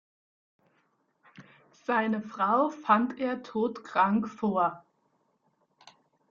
Seine Frau fand er todkrank vor.